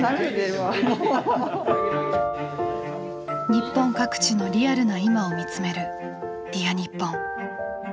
日本各地のリアルな今を見つめる「Ｄｅａｒにっぽん」。